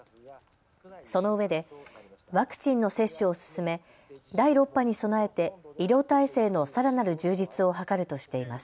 そのうえでワクチンの接種を進め第６波に備えて医療体制のさらなる充実を図るとしています。